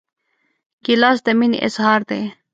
ګیلاس د مینې اظهار دی.